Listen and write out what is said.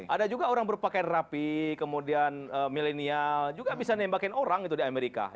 ada juga orang berpakaian rapi kemudian milenial juga bisa nembakin orang gitu di amerika